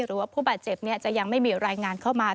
หรือว่าผู้บาดเจ็บจะยังไม่มีรายงานเข้ามา